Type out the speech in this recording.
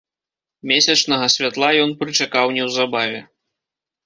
Месячнага святла ён прычакаў неўзабаве.